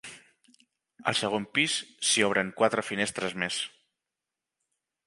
Al segon pis s'hi obren quatre finestres més.